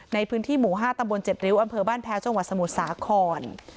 ในพื้นที่หมู่๕ตำบล๗ริ้วอำเภอบ้านแพ้วจังหวัดสมุทรสาคร